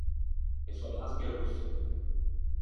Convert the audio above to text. E sò masche rosse.